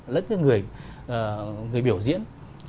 lẫn với người biểu diễn